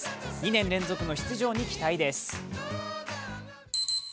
２年連続の出場に期待です。